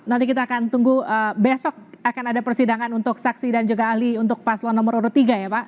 nanti kita akan tunggu besok akan ada persidangan untuk saksi dan juga ahli untuk paslon nomor urut tiga ya pak